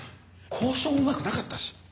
交渉うまくなかったし。